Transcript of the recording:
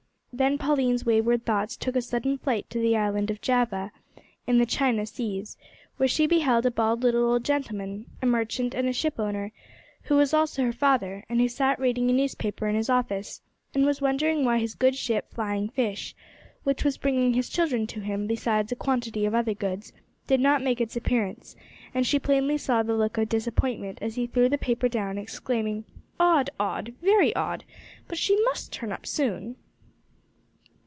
Then Pauline's wayward thoughts took a sudden flight to the island of Java, in the China seas, where she beheld a bald little old gentleman a merchant and a shipowner who was also her father, and who sat reading a newspaper in his office, and was wondering why his good ship Flying Fish which was bringing his children to him besides a quantity of other goods did not make its appearance, and she plainly saw the look of disappointment as he threw the paper down, exclaiming, "Odd, very odd, but she must turn up soon."